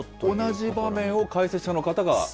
同じ場面を解説者の方が実演をする？